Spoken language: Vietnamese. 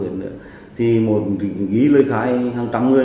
người ghi lời khai hàng trăm người